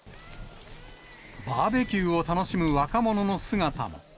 バーベキューを楽しむ若者の姿も。